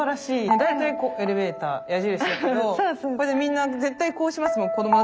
大体エレベーター矢印だけどこれでみんな絶対こうしますもん子どもだったら。